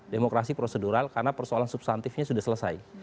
demokrasi prosedural karena persoalan substantifnya sudah selesai